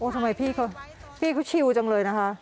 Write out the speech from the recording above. ทำไมพี่เขาชิวจังเลยนะคะ